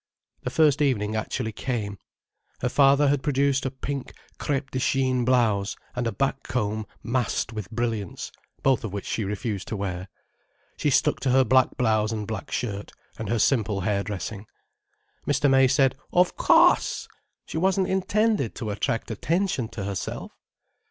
The first evening actually came. Her father had produced a pink crêpe de Chine blouse and a back comb massed with brilliants—both of which she refused to wear. She stuck to her black blouse and black shirt, and her simple hair dressing. Mr. May said "Of cauce! She wasn't intended to attract attention to herself."